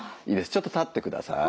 ちょっと立ってください。